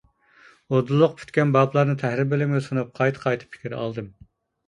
ئۇدۇللۇق پۈتكەن بابلارنى تەھرىر بۆلۈمگە سۇنۇپ قايتا-قايتا پىكىر ئالدىم.